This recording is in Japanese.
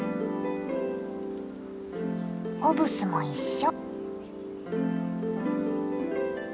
ホブスも一緒。